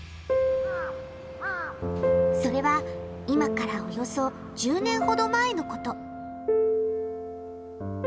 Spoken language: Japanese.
それは今からおよそ１０年ほど前のこと。